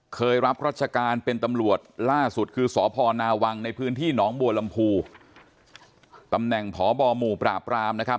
รับรัชการเป็นตำรวจล่าสุดคือสพนาวังในพื้นที่หนองบัวลำพูตำแหน่งพบหมู่ปราบรามนะครับ